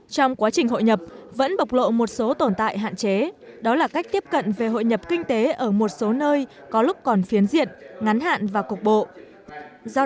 trong quá trình hội nhập vẫn bộc lộ một số tồn tại hạn chế đó là cách tiếp cận về hội nhập kinh tế ở một số nơi có lúc còn phiến diện ngắn hạn và cục bộ